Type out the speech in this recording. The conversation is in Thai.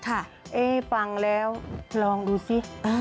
เอ๊ะฟังแล้วลองดูสิ